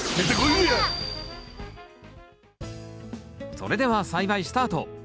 それでは栽培スタート。